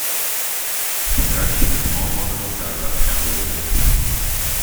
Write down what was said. باید کیف هامان را در رختکن بگذاریم.